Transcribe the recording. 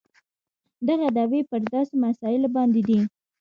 دغه دعوې پر داسې مسایلو باندې دي.